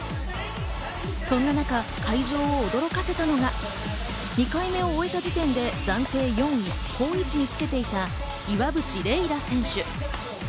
そんな中、会場を驚かせたのは２回目を終えた時点で暫定４位、好位置につけていた岩渕麗楽選手。